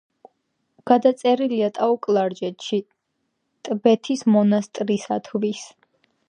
გადაწერილია ტაო-კლარჯეთში ტბეთის მონასტრისათვის.